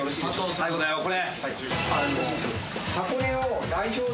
最後だよこれ。